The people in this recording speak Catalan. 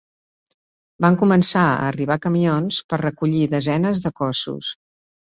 Van començar a arribar camions per recollir desenes de cossos.